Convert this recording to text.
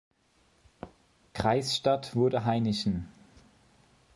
Kreisstadt wurde Hainichen.